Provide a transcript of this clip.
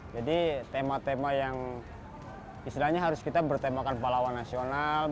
jadi tema tema yang istilahnya harus kita bertemakan palawan nasional